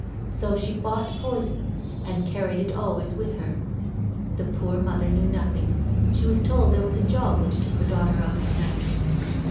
So she bought poison and carried it always with her. The poor mother knew nothing—she was told there was a job which took her daughter out at nights.